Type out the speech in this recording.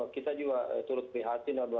kita juga turut prihatin